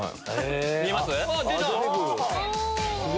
見えます？